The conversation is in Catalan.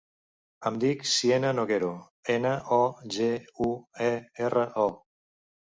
Em dic Siena Noguero: ena, o, ge, u, e, erra, o.